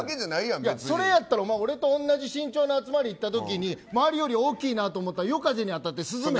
それやったら俺と同じ身長の集まり行った時に周りより大きいなと思ったら夜風にあたってすずめや。